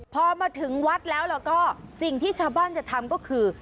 พอมาถึงวัดแล้วแล้วก็สิ่งที่ชาวบ้านจะทำก็คือ